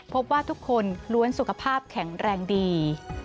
พบว่าทุกคนล้วนสุขภาพแข็งแรงดี